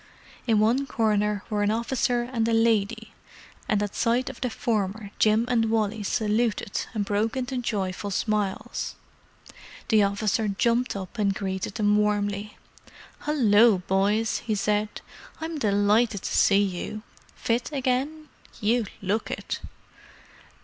In one corner were an officer and a lady; and at sight of the former Jim and Wally saluted and broke into joyful smiles. The officer jumped up and greeted them warmly. "Hullo, boys!" he said. "I'm delighted to see you. Fit again?—you look it!"